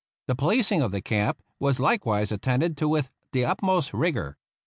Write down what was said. The policing of the camp was likewise attended to with the utmost rigor.